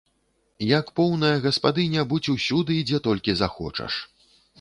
Як поўная гаспадыня будзь усюды, дзе толькі захочаш.